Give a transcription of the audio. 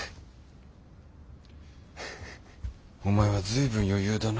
お前は随分余裕だな。